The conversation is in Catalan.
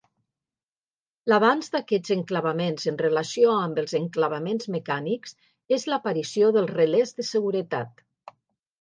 L'avanç d'aquests enclavaments en relació amb els enclavaments mecànics, és l'aparició dels relés de seguretat.